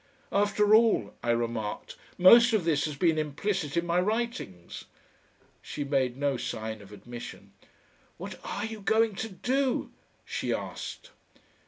"After all," I remarked, "most of this has been implicit in my writings." She made no sign of admission. "What are you going to do?" she asked.